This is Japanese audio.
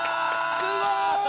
すごーい！